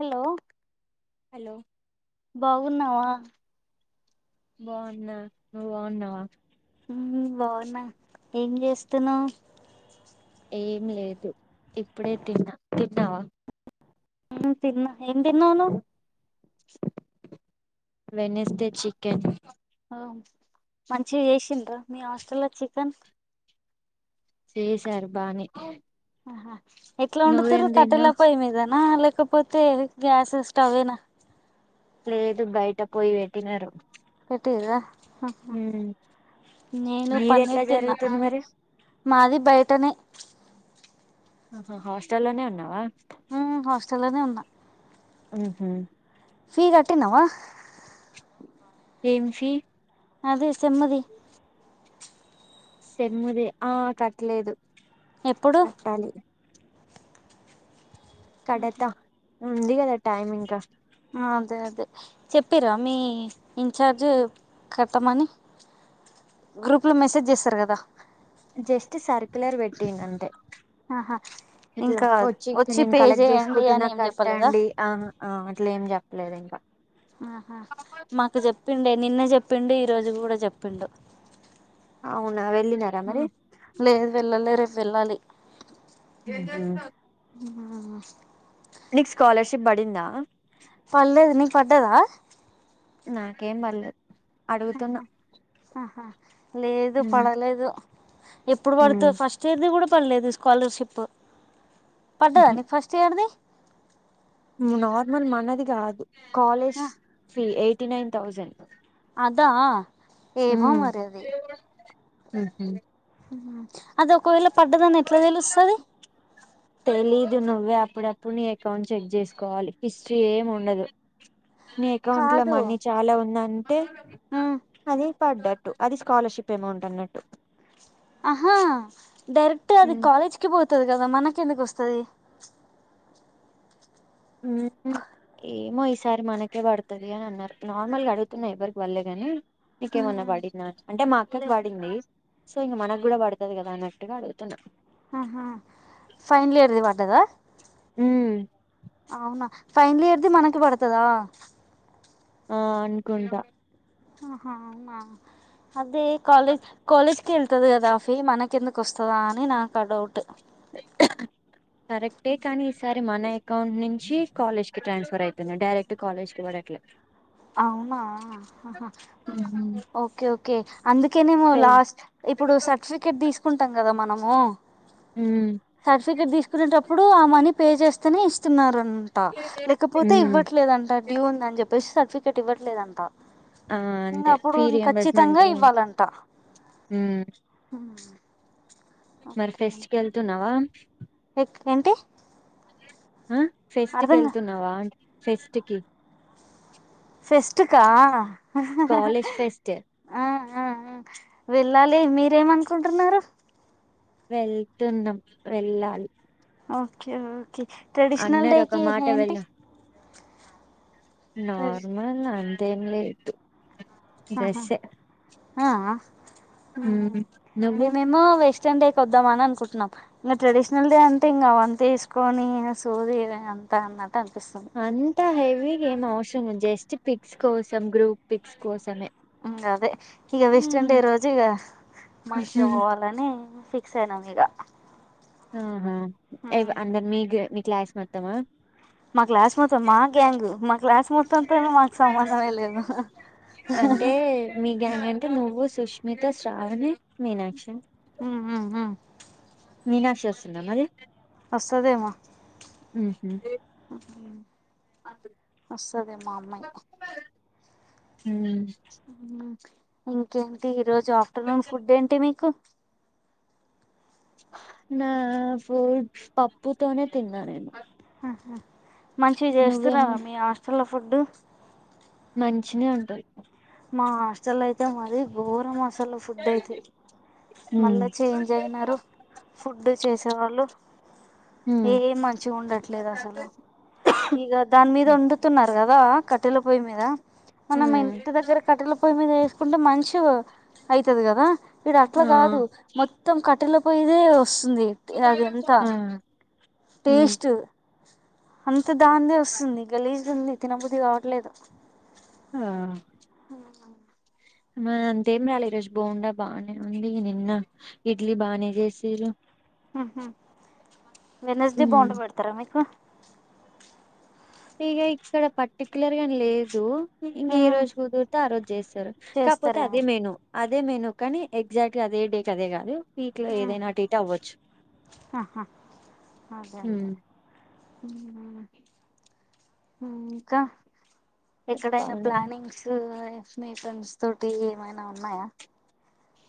Hello hello బాగున్నావా? బాగున్నా. నువ్వు బాగున్నావ? మ్ బావున్న. ఏం చేస్తున్నావ్? ఏం లేదు ఇప్పుడే తిన్నా. తిన్నావా? మ్ తిన్న. ఏం తిన్నావ్ నువ్ వెనిస్ డే చికెన్. ఆమ్ మంచిగ చేసిండ్రా మీ హాస్టల్ లో చికన్? చేశారు బానే అహా ఎట్ల నువ్వేం వండుతారు కట్టెల తిన్నావ్ పొయ్యి మీద ఆ లేకపోతే గ్యాసెస్ స్టవేనా లేదు బయట పొయ్యి వెట్టినారు ట్టు ఇగా హ్మ్ నేను పన్నీర్ తిన్నా మాది బయటనే ఆహా హాస్టల్లోనే ఉన్నావా ఇంగ హాస్టల్లోనే ఉన్నా హ్మ్ హు ఫీ కట్టిన్నవా ఏం సి అదే సెమ్ముది సెమ్ము దే ఆ కట్లేదు ఎప్పుడు కట్టాలి ఇగ కడతా ఉంది కదా టైమ్ ఇంకా మ్ అదే అదే చెప్పిరా మీ ఇన్చార్జ్ కట్టమని గ్రూప్లో మెసేజ్ చేస్తారు కదా జస్ట్ సర్కులర్ పెట్టిండు అంతే ఆహా ఇట్లా ఇంకా వచ్చి నేను పే కలెక్ట్ చేయండి అని చేసుకుంటున్నా ఏం చెప్పలేదా కట్టండి. ఆహా ఆ అట్లా ఏం చెప్ లేదు ఇంకా ఆహా మాకు చెప్పిండే నిన్నే చెప్పిండు ఈ రోజు కూడా చెప్పిండు అవునా వెళ్ళినారా హు మరి లేదు వెళ్ళాలి రేపు వెళ్ళాలి మ్ హ్ ఆ నీకు స్కాలర్షిప్ బడిందా పర్లేదు నీకు పడ్డదా నాకేం బర్లేదు ఆహా ఆహా లేదు పడలేదు ఎప్పుడు పడుతది ఫస్ట్ ఇయర్ ది కూడా పడలేదు స్కాలర్షిప్ పడ్డదా నీకు ఫస్ట్ ఇయర్ ది ఉమ్ నార్మల్ మనది కాదు college fee eighty nine thousand అదా ఏమో మరి అది ఊహూ అది ఒకవేళ పడ్డదని ఎట్లా తెలుస్తది తెలీదు నువ్వే అప్పుడప్పుడు నీ అకౌంట్ చెక్ చేసుకోవాలి హిస్టరీ ఏం ఉండదు నీ అకౌంట్ లో కాదు మనీ చాలా ఉందంటే అది పడ్డ టు అది స్కాలర్షిప్ అమౌంట్ అన్నట్టు ఆహా డైరెక్ట్ అది కాలేజ్ కి పోతది కదా మనకి ఎందుకు వస్తది ఊహూ ఏమో సారి మనకే పడుతది అని అన్నారు నార్మల్ గా అడుగుతున్నా ఎవ్వరికీ పడలే గాని నీకేమన్నా మ్మ్ పడిందా అని అంటే మా లే అక్కకి పడింది సో ఇంక మనకు కూడా పడుతది కదా అన్నట్టుగా అడుగుతున్నా అహా ఫైనల్ ఇయర్ ది పడదా ఊ అవునా ఫైనల్ ఇయర్ ది మనకి పడుతదా ఆ అనుకుంటా ఆహా అవునా అదే కాలే కాలేజ్ కి ఎళ్తది కదా ఫీ మనకెందుకు వస్తదా అని నాకు ఆ డౌట్ కరెక్టే కానీ ఈసారి మన ఎకౌంట్ నుంచి కాలేజ్ కి ట్రాన్స్ ఫర్ అయిపొయినా డైరెక్ట్ కాలేజ్ కి పడట్లే అవునా ఓకే ఓకే అందుకేనేము లాస్ట్ ఇప్పుడు సర్టిఫికెట్ తీసుకు కా ఉమ్ మ పే చేస్తేనే ఇస్తున్నారుారంట లేకపోతే ఉమ్ ఇవ్వట్లేదంట డ్యూ ఉంది అని చెప్పేసి సర్టిఫ చటి ఇవ్వట్లేదంట ఆ ఇంకా అంతే ఫీ అప్పుడుం ఖచ్చితంగా రియంబర్స్మెంట్ ఇవ్వాలంట ఉమ్ హ మరి ఫెస్ట్ క వెళ్తున్నావా ఏంటి ఆ ఫెస్ట్ కి అర్థంగా వెళ్తున్నావా అ ఫెస్ట్ కి ఫెస్టుకా కాలేజ్ ఫెస్ట్ వెళ్ళాలి మీరేమనుకుంటున్నారు వెళ్తున్నాం వెళ్ళాలి ఓకే ఓకే ట్రెడిషనల్ అన్నారు ఒక డేకి మాట ఏంటి వెళ్ళ ట్రెడి నార్మల్ అంతేంలే ఇదు ఆహా. దెస్ ఆ నువ్వు మేముమ వ ఎస్ట్ డేకి వద్దామ అని అనుకుంటున్నాం ట్రెడిషనల్ డే అంటే ఇంకా అవన్న తీసుకొని సూది అంత అ అంతా హెవీ గ ఏం అవసరం జస్ట్ పిక్స్ కోసం గ్రూప్ పిక్స్ కోసమే అదే ఇక వెస్ట్ అండే రోజు ఇక మనిషిగా పోవాలని ఫిక్స్ యి నవీగ ఆహా అందరు మీ మీ క్లాస్ మొత్తమా మా క్లాస్ మొత్తం మా గ్యాంగ్ మా క్లాస్ మొత్తంంటేనే మాకు సంబంధంే లేదు అంటే మీ ని అంటే నువ్వు సుష్మిత శ్రావణి మీనాక్షి హ మీనాక్ష వస్తుందా అద వస్తదేమ ఉహ వస్తుదే మా అమ్మయి హ ఇంకేంటి ఈరోజు ఆఫ్టర్నూన్ ఫుడ్ ఏంటి మీకు నా ఫూ పప్పుతోనే తిన్నా నేను మంచివి నువ్వేమో చేస్తారావా మీ హాస్టల్లో ఫుడ్డు మంచిిన ఉంటారు మా హాస్టల్ అయితే మాది గఘోర మసాలా ఫుడ్ అయితే మళ్ళా చేంజ్ అయినారు ఫుడ్ చేసేవాళ్ళు ఆ ఏ మంచిగా ఉండట్లేదు అసలు ఇక దాని మీద వండుతున్నారు కదా కదా కట్టెల పోయి మీద మనం ఇ దగ్గర ఆ కట్టెల పొయ్యి మీద వేసుకుంటే మంచి అవుతుది కదా ఇడు అట్లా కాదు మొత్తం కట్టెల పోయిదే వస్తుంది అది ఎంత ఆ టేస్ట్ అంత దాన్నే వస్తుంది గలీస్తుంది తినబుది కావట్లేదు హ అంతేం రాలేదు ఈ రోజు బాగుం బాగానే ఉంంది నిన్న ఇడ్లీ బాగానే చేసారు వెనస్డే బాగుంటబడతారా మీకు ఇక ఇక్కడ పర్టిక్యులర్ లేదు ఇంక ఏ రోజు కుదురితే ఆ రోజు చేస్తారు కాకపోతే చేస్తారేమో అదే మెను అ అదే మేను కానీ ఎగ్జాక్ట్ గా అదే డేక్ అదే కాదు వీక్ లో ఏదైనా అటు ఇట్ అవ్వచ్చు ఆహా అదే అదే ఇంకా ఎక్కడైనా చెప్పాలే ప్లానింగ్స్ మీ ఫ్రెండ్స్ తోటి ఏమైనా ఉన్నాయా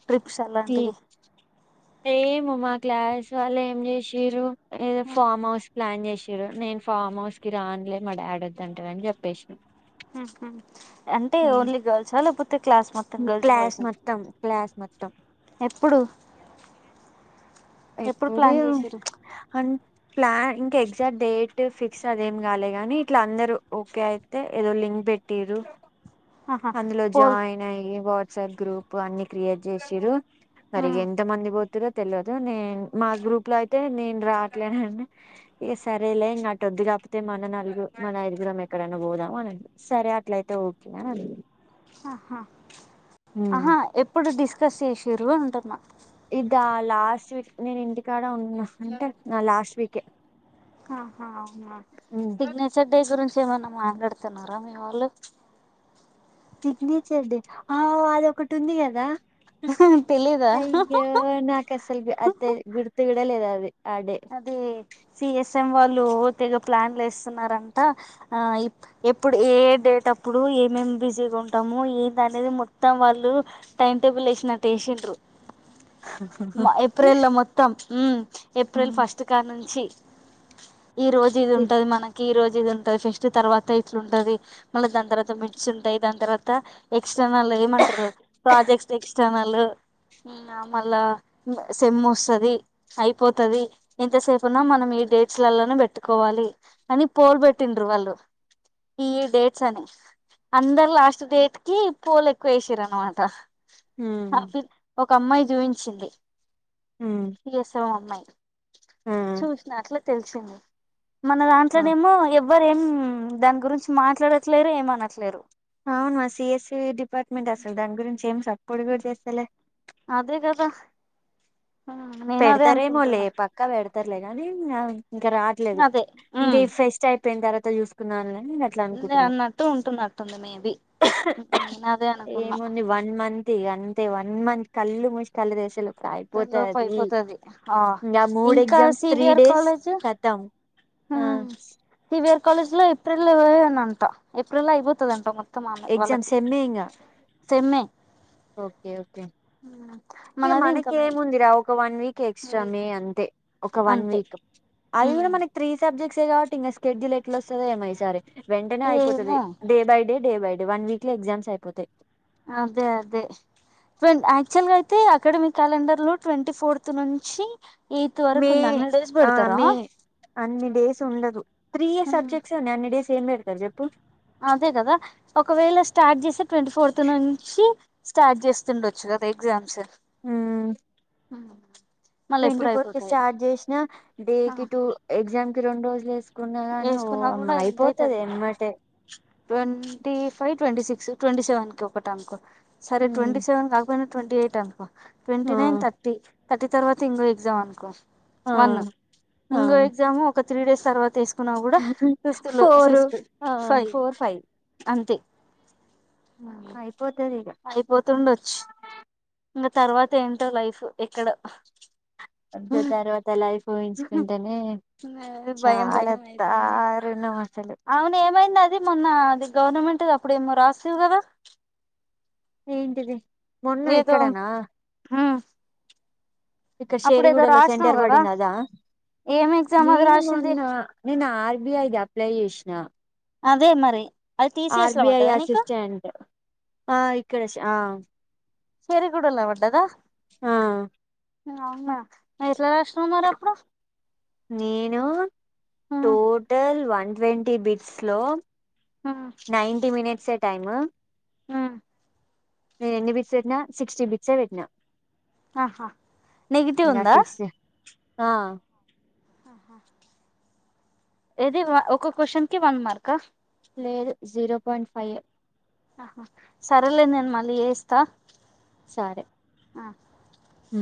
ట్రిప్స్ ఈ అలాంటివి ఏమో మా క్లాస్ వాళ్ళ ఏం చేసిరో ఏదో ఫామ్ హౌస్ ప్లాన్ చేసి నేను ఫామ్ హౌస్కి రానులే మా డాడి వద్దంటే అని చెప్పేసి అంటే ఓన్లీ గర్ల్స్ లేకపోతే ఫిఫ్త్ క్లాస్ మొత్తం గర్ల్స్ క్లాస్ బాయ్స్ మొత్తం క్లాస్ మొత్తం ఎప్పుడు ఎప్పుడు ప్లాన్ చేసిర్రు అ ప్లాన్ ఇంకా ఎగ్జాక్ట్ డేట్ ఫిక్స్ అద ఏం కాలే గాని ఇట్లా అందరుూ ఓకే అయితే ఏదో లింక్ పెట్టరు ఆహా అందులో పోల్ జాయిన్ అయ్యి వాట్సాప్ గ్రూప్ అన్ని క్రియేట్ చేసిరు మరిగ ఎంత మంది పోతరో తెలియదు నేను మా గ్రూప్ లో అయితే నేను రావట్లేనండి ఇక సరేలే నాద్దిగా కాకపోతే మన నలుగురు మన దుగురం ఎక్కడైనా పోదాం అనడి సరే అట్లయితే ఓకే ఆహా ఆహా ఎప్పుడు డిస్కస్ చేసిండ్రు ఉంటున్న ఇది లాస్ట్ వీక్ నేను ఇంటికాడ ఉన్నా అంటే నా లాస్ట్ వీకే సిగ్నేచర్ డే గురించి ఏమన్నా మాట్లాడుతున్నారా మీ వాళ్ళు సిగ్నేచర్ డే ఆ అదొకటి ఉంది కదా తెలీదా అయ్య నాకు అసలు అది గుర్తు కూడా లేదు అది ఆ డే అదే సిఎస్ వాళ్ళు తెగ ప్లాన్లు వేస్తున్నారంట ఎప్పుడు ఏ డేట్ అప్పుడు ఏమేం బిజీగా ఉంటాము ఏంటి అనేది మొత్తం వాళ్ళు టైం టేబుల్ వేసినట్టు వేసిండ్రు ఏప్రిల్ లో మొత్తం ఏప్రిల్ ఫస్ట్ కా నుంచి ఈ రోజు ఇది ఉంటది మనకి ఈ రోజు ఇది ఉంటది ఫెస్ట్ తర్వాత ఇట్లు ఉంటది మళ్ళీ దాని తర్వాత మిర్చి ఉంటాయి దాని తర్వాత ఎక్స్ట్ వాళ్లు ఏమంటారు ప్రాజెక్ట్స్ ఎక్స్టర్నల్ మళ్ళా సమ్ వస్తుది అయిపోతుది ఎంతసేపున మనం ఈ డేట్స్లలోనే పెట్టుకోవాలి అని పోల్బెటిలు అలు ఈ డేట్స్ అని అందరు లాస్ట్ డేట్ కి పూలు ఎక్కువ వేసర అనమాట అ ఒక అమ్మాయి చూపించింది ఎస్వం అమ్మాయి చూసిన అట్లా తెలిసింది మన దాంట్లోనే ఏమో ఎవర ఏం దాని గురించి మాట్లాడట్లేరు ఏం అనట్లేరు అవునుమా సిఎస్ఈ డిపార్ట్మెంట్ అసలు దాని గురించి ఏం సపోర్ట్ కూడా చేస్తలే అదే కదా నేను అదే పెడతారే మోలే అనుకుంటున్నా పక్క పెడత సర్లే కానీ ఇంకా రాట్లేదు అదే ఇంకా ఈ ఫెస్ట్ అయిపోయిన తర్వాత చూసుకున్నా లే అన్నట్టు ఉంటున్నట్టుంది మేబి ఇంకా నేను అదే అనుకున్నా ఏముంది వన్ మంత్ అంతే వన్ మంత్ కళ్ళు ముసి తెరిచేలోపు అయిపోతా లోపు అయిపోతది ఆ ఇంకా మూడ్ ఇంకా exams three CVR days college కతాం ఆ ఈ వేర్ కాలేజ్ లో ఏప్రిల్ంట ఏప్రిల్ లో అయిపోతుందంట ఉత్తమ ఎగ్జామ్ వాళ్ళకి సెమ్మే ఇంగా సమ్మె ఓకే ఓకే ఇక మనది ఇంకా మే మనకేముందిరా ఒక వన్ వీక్ ఎక్స్ట్రా మే అంతే ఒక వన్ అంతే వీక్ అది ఉమ్ కూడా మనకి త్రీ సబ్జెక్ట్స్ కాబట్టి ఇంకా స్కెడ్యూల్ ఎట్లా వస్తుందో ఏమై సరే వెంటనే అయిపోతుది ఏమో day by day day by day one week లో ఎగ్జామ్స్అయిపోతాయి అదే అదే ఆ యాక్చువల్ గా అయితే అకాడమిక్ క్యాలెండర్ లో ట్వంటీ ఫోర్త్ నుంచి ఎయిత్ వరకు మే ఉంది హండ్రెడ్ డేస్ ఆ పెడతారా మే అన్ని డేస్ ఉండదు త్రీయ సబ్జెక్ట్స్ ఏడి అన్ని డేస్ ఏం పెడతారు చెప్పుడు అదే కదా ఒకవేళ స్టార్ట్ చేసే ట్వంటీ ఫోర్త్ నుంచి స్టార్ట్ చేస్తుండొచ్చు కదా ఎగ్జామ్స్ హ్మ్ ఉ ట్వంటీ ఫోర్ కి స్టార్ట్ చేసినా డే ఆ కి టూ ఎగ్జామ్ కి రెండు రోజులు వేసు వేసుకున్నా కూడా ఎంతవుతుంది ఎమ్మటే twenty five twenty six twenty seventh ఒకటి అనుకో సరే ట్వంటీ ఉమ్, సెవెన్ కాకపోయినా ట్వంటీ ఎయిట్ అనుకో ట్వంటీ ఆ నైన్ థర్టీ థర్టీ తర్వాత ఇంకో ఎగ్జామ్ అనుకో ఆ వన్ ఆ ఇంకో ఎగ్జామ్ ఒక త్రీ డేస్ తర్వాత వేసు న్నా కూడా ఫిఫ్త్ లో ఫోరు ఫిఫ్త్ ఆ ఫైవ్ ఫోర్ ఫైవ్ అంతే ఆ ఇపోతే అయిపోతుండొచ్చు ఇంకా తర్వాత ఏంటో లైఫ్ ఎక్కడ అ తర్వాత లైఫ్ ఊహించుకుంటేనే అది భయం చాలా భయం అవుతుంది దారుణం అసలు అవును ఏమైంది అది మొన్న అది గవర్నమెంట్ అప్పుడుమో రాస్తివి కదా ఏంటిది మొన్న ఏదో ఇక్కడనా ఇక్క అప్పుడు ఏదో షేరిగూడెలో రాసినావు కదా సెంంటర్బడింద అదా ఏం ఎగ్జామ్ అది నన్ రాసింది మొన్న నేను ఆర్బిఐది అప్లై చేసిన అదే మరి అది టీసీఎస్ లో ఆర్బిఐ పడ్డదా నీకు అసిస్టెంట్ ఆ ఇక్కడ హ షేరి గుడ్డలో పడ్డదా ఆ అవునా ఎట్లా రాసినవ్వు అప్పుడు నేను టోటల్ వన్ ట్వంటీ బిట్స్ లో నైన్టీ మనిట్స్ టైమ్ ఆ నేను ఎన్ని బిట్స్ పెట్నా స సిక్స్టీ బిట్స్యే పెట్టినా ఆహా నెగిటివ్ ఇంకా ఉందా సిక్స్ ఆ ఆహా ఏది ఒక క్వశ్చన్ కి వన్ మార్కా లెదు జీరో పాయింట్ ఫైవ్ ఆహా సరేలేదు నేను మళ్ళీ చేస్తా సరే ఆ అ